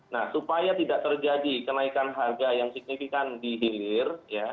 nah supaya tidak terjadi kenaikan harga yang signifikan di hilir